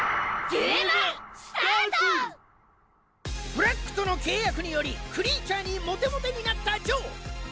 ブラックとの契約によりクリーチャーにモテモテになったジョー！